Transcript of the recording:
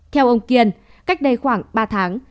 theo ông kiên cách đây khoảng ba tháng